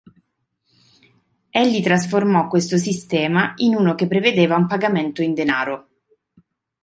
Egli trasformò questo sistema in uno che prevedeva un pagamento in denaro.